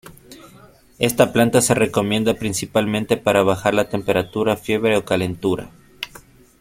Esta planta se recomienda principalmente para bajar la temperatura, fiebre o calentura.